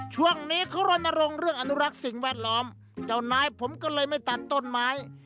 ช่วงนี้เขารณรงค์เรื่องอนุรักษ์สิ่งแวดล้อมเจ้านายผมก็เลยไม่ตัดต้นไม้